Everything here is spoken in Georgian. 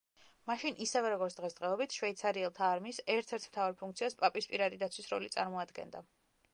მაშინ, ისევე როგორც დღესდღეობით, შვეიცარიელთა არმიის ერთ-ერთ მთავარ ფუნქციას პაპის პირადი დაცვის როლი წარმოადგენდა.